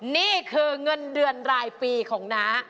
นี่คือเงินเดือนรายปีของน้า